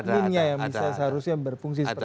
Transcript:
ada adminnya yang seharusnya berfungsi seperti itu